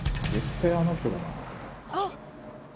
あっ！